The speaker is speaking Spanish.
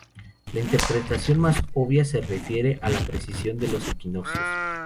La interpretación más obvia se refiere a la precesión de los equinoccios.